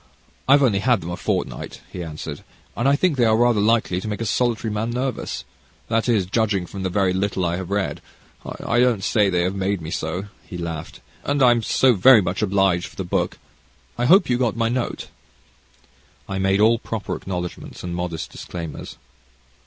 I've only had them a fortnight," he answered, "and I think they are rather likely to make a solitary man nervous that is, judging from the very little I have read I don't say that they have made me so," he laughed; "and I'm so very much obliged for the book. I hope you got my note?" I made all proper acknowledgments and modest disclaimers.